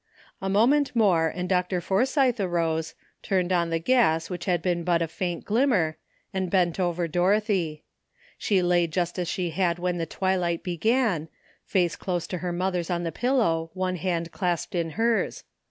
A moment more and Dr. Forsythe arose, turned on the gas, which had been but a faint glimmer, and bent over Dorothy. She lay just as she had when the twilight began ; face close to her mother's on the pillow, one hand clasped in hers.